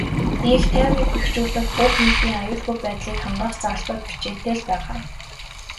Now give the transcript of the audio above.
Энх тайвныг бэхжүүлэх, бүх нийтийн аюулгүй байдлыг хангах заалтууд бичээтэй л байгаа.